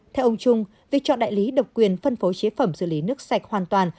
theo ông trung việc chọn đại lý độc quyền phân phối chế phẩm xử lý nước sạch hoàn toàn